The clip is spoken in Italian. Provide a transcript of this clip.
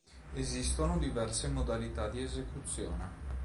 Esistono diverse modalità di esecuzione.